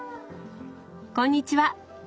こんにちは。